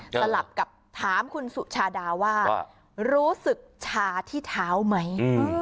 สลับกับถามคุณสุชาดาว่ารู้สึกชาที่เท้าไหม